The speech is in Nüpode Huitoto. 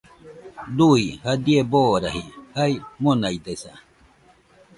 Dui jadie boraji jae monaidesa